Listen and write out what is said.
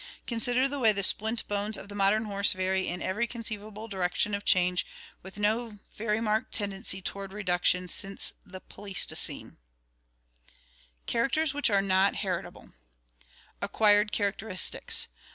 Consider the way the splint bones of the modern horse vary in every conceivable direc tion of change with no very marked tendency toward reduction since the Pleistocene. Characters Which Are Not Heritable Acquired Characteristics.